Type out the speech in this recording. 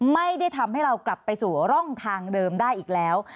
ไม่ได้ทำให้เรากลับไปสู่ร่องทางเดิมได้อีกแล้ว